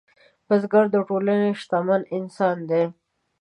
بزګر د ټولنې شتمن انسان دی